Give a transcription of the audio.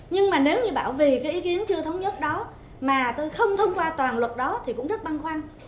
nhưng mà nếu như bảo vì cái ý kiến chưa thống nhất đó mà tôi không thông qua toàn luật đó thì cũng rất băng khoăn